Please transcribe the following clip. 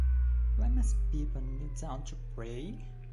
Why must people kneel down to pray?